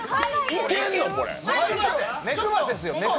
いけんの、これ？